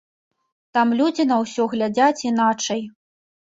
Там людзі на ўсё глядзяць іначай.